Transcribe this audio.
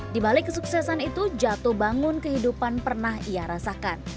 di balik kesuksesan itu jatuh bangun kehidupan pernah ia rasakan